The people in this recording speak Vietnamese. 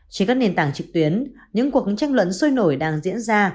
trên các nền tảng trực tuyến những cuộc tranh luận sôi nổi đang diễn ra